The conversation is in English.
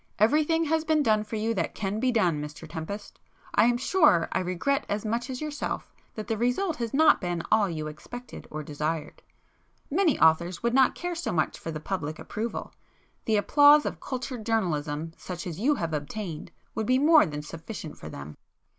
Everything has been done for you that can be done, Mr Tempest,—I am sure I regret as much as yourself that the result has not been all you expected or desired. Many authors would not care so much for the public approval; the applause of cultured journalism such as you have obtained, would be more than sufficient for them."